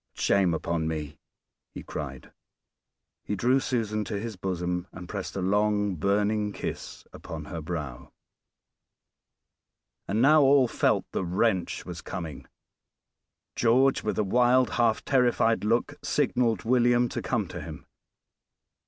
"Shame upon me!" he cried; he drew Susan to his bosom, and pressed a long, burning kiss upon her brow. And now all felt the wrench was coming. George, with a wild, half terrified look, signaled William to come to him.